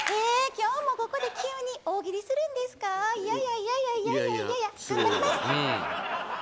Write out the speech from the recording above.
今日もここで急に大喜利するんですか嫌や嫌や嫌や嫌や頑張ります